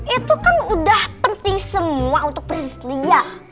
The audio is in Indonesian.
itu kan udah penting semua untuk prinses lia